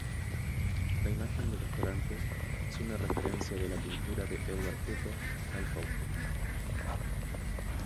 La imagen del restaurante es una referencia de la pintura de Edward Hopper "Nighthawks".